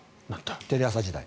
テレ朝時代。